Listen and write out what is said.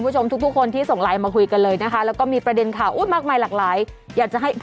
ช่วงหน้ากลับมาตามต่อกันแบบชัดใน